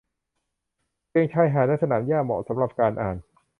เตียงชายหาดและสนามหญ้าเหมาะสำหรับการอ่าน